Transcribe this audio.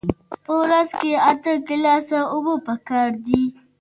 په ورځ کې اته ګیلاسه اوبه پکار دي